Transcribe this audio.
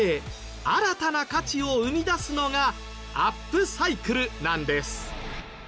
新たな価値を生み出すのがアップサイクルなんです。